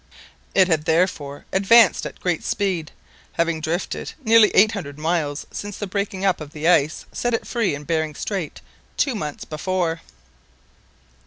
It had therefore advanced at great speed, having drifted nearly eight hundred miles since the breaking up of the ice set it free in Behring Strait two months before.